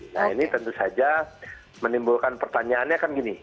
nah ini tentu saja menimbulkan pertanyaannya kan gini